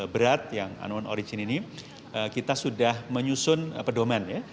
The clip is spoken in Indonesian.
berat yang unon origin ini kita sudah menyusun pedoman ya